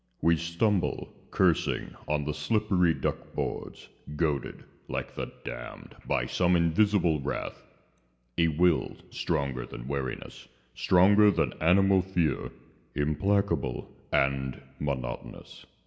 We stumble, cursing, on the slippery duck boards. Goaded like the damned by some invisible wrath, A will stronger than weariness, stronger than animal fear, Implacable and monotonous.